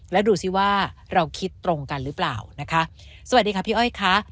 แล้วดูสิว่าเราคิดตรงกันหรือเปล่านะคะสวัสดีค่ะพี่อ้อยค่ะ